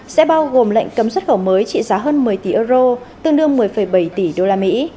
sẽ bao gồm lệnh cấm xuất khẩu mới trị giá hơn một mươi tỷ euro tương đương một mươi bảy tỷ usd